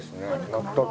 全く。